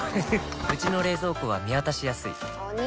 うちの冷蔵庫は見渡しやすいお兄！